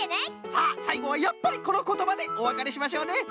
さあさいごはやっぱりこのことばでおわかれしましょうね。